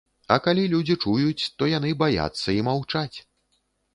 А калі людзі чуюць, то яны баяцца і маўчаць.